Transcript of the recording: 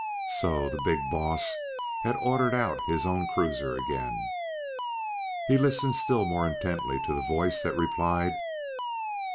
So the "big boss" had ordered out his own cruiser again! He listened still more intently to the voice that replied.